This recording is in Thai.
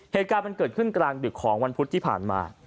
เหตุการณ์มันเกิดขึ้นกลางดึกของวันพุธที่ผ่านมา